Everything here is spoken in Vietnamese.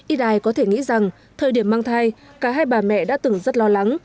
ít ai có thể nghĩ rằng thời điểm mang thai cả hai bà mẹ đã từng rất lo lắng